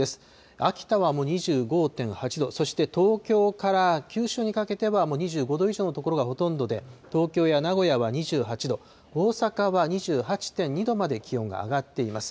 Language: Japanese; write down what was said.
秋田はもう２５．８度、そして東京から九州にかけてはもう２５度以上の所がほとんどで、東京や名古屋は２８度、大阪は２８．２度まで気温が上がっています。